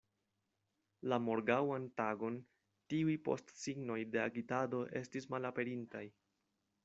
La morgaŭan tagon tiuj postsignoj de agitado estis malaperintaj.